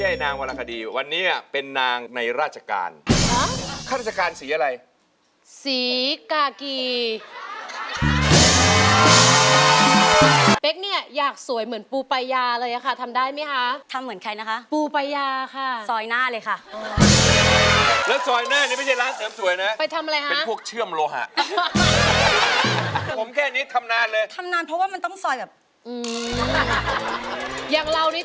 อย่างเรานี่ต้องไม่พูดคำว่านิสัยต้องใช้คำว่า